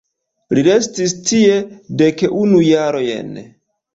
Li restis tie dek unu jarojn.